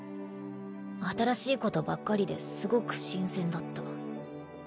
新しいことばっかりですごく新鮮だった。